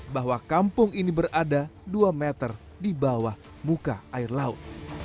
bahwa kampung ini berada dua meter di bawah muka air laut